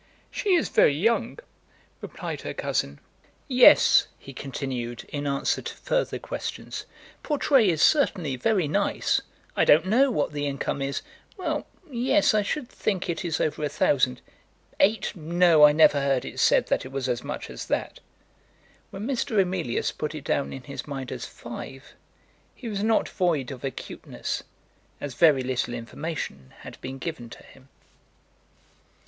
"She is very young," replied her cousin. "Yes," he continued, in answer to further questions; "Portray is certainly very nice. I don't know what the income is. Well; yes. I should think it is over a thousand. Eight! No, I never heard it said that it was as much as that." When Mr. Emilius put it down in his mind as five, he was not void of acuteness, as very little information had been given to him.